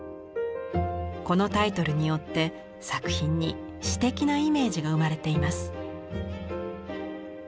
このタイトルによって作品に詩的なイメージが生まれています。